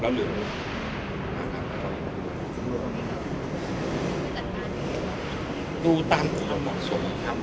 แล้วหรือดูตามข้อเหมาะสมนะครับ